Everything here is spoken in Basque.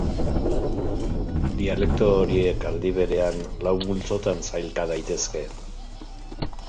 Dialekto horiek, aldi berean, lau multzotan sailka daitezke.